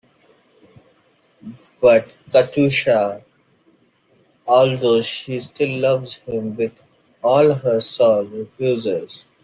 But Katiusha, although she still loves him with all her soul, refuses.